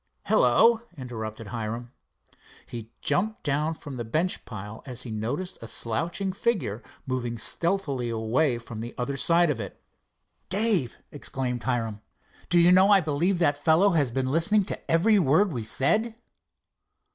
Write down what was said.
"Hello!" interrupted Hiram. He jumped down from the bench pile, as he noticed a slouching figure moving stealthily away from the other side of it. "Dave," exclaimed Hiram, "do you know I believe that fellow has been listening to every word we said."